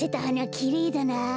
きれいだな。